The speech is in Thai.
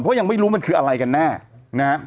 เพราะยังไม่รู้มันคืออะไรกันแน่นะฮะ